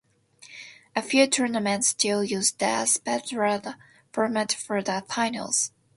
A few tournaments still used the stepladder format for the finals.